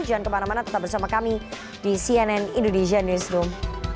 jangan kemana mana tetap bersama kami di cnn indonesia newsroom